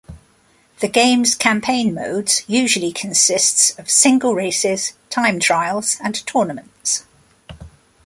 The games' campaign modes usually consists of single races, time trials, and tournaments.